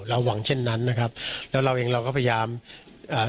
หวังเช่นนั้นนะครับแล้วเราเองเราก็พยายามอ่า